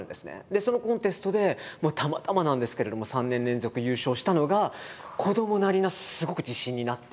そのコンテストでたまたまなんですけれども３年連続優勝したのが子どもなりなすごく自信になって。